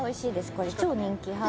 これ超人気はい